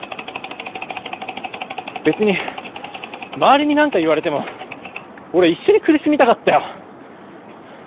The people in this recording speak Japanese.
別に周りに何か言われても俺一緒に苦しみたかったよ。